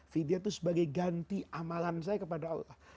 vidya itu sebagai ganti amalan saya kepada allah